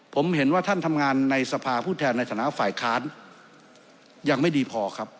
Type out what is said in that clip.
ผมเห็นว่าท่านทำงานในสภาผู้แทนในฐานะฝ่ายค้านยังไม่ดีพอครับ